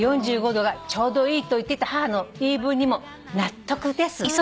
℃がちょうどいいと言っていた母の言い分にも納得です」という。